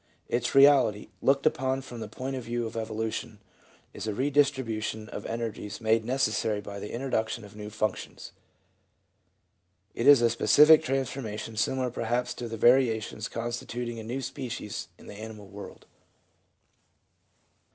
Its reality, looked upon from the point of view of evolution, is a redistribution of energies made necessary by the introduction of new functions ; it is a specific transformation similar perhaps to the varia tions constituting a new species in the animal world.